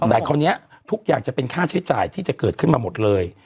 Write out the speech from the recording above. แต่คราวนี้ทุกอย่างจะเป็นค่าใช้จ่ายที่จะเกิดขึ้นมาหมดเลย